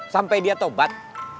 sampai dia tobat